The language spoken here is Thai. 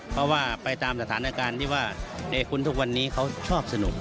เพราะว่าไปตามสถานการณ์ที่ว่าคุณทุกวันนี้เขาชอบสนุก